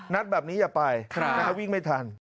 นัดแบบนี้อย่าไปค่ะนะครับวิ่งไม่ทัน